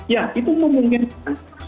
ya itu memungkinkan